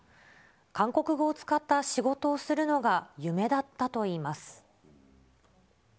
韓国語を使った仕事をするのが夢だったといいます。